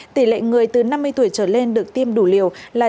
tỷ lệ người từ năm mươi tuổi trở lên được tiêm đủ liều là chín mươi bảy hai mươi ba